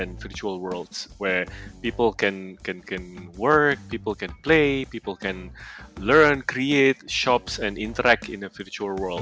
di mana orang bisa bekerja bergabung belajar membuat menjual dan berinteraksi di dunia virtual